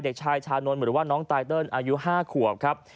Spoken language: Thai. เด็กชายชานนท์หรือว่าน้องไตเติลอายุ๕ขวบครับ